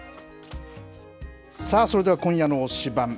それでは今夜の推しバン！